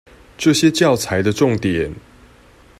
這些教材的重點